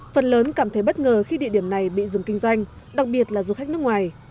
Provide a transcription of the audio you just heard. phần lớn cảm thấy bất ngờ khi địa điểm này bị dừng kinh doanh đặc biệt là du khách nước ngoài